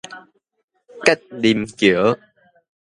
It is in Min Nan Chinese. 吉林橋